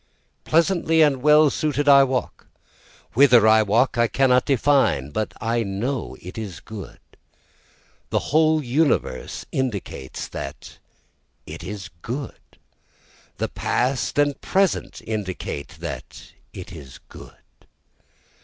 Pleasantly and well suited I walk, Whither I walk I cannot define, but I know it is good, The whole universe indicates that it is good, The past and the present indicate that it is good.